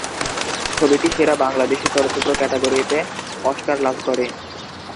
ছবিটি সেরা বিদেশি চলচ্চিত্র ক্যাটাগরিতে অস্কার লাভ করে।